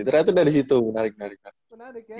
ternyata dari situ menarik menarik ya